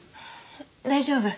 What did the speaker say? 大丈夫。